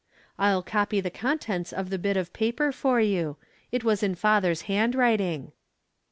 I'll copy the contents of the bit of paper for you ; it was in father's hand writing